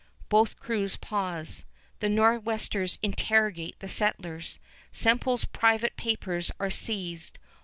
Both crews pause. The Nor'westers interrogate the settlers. Semple's private papers are seized.